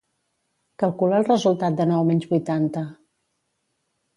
Calcula el resultat de nou menys vuitanta.